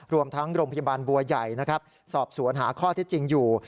รวมทั้งโรงพยาบาลบัวใหญ่นะครับสอบสวนหาข้อเท็จจริงอยู่